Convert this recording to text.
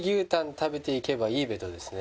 「食べていけばいいべ！」とですね